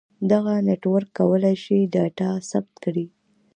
دغه نیټورک کولای شي ډاټا ثبت کړي.